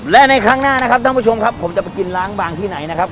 และในครั้งหน้านะครับท่านผู้ชมครับผมจะไปกินล้างบางที่ไหนนะครับ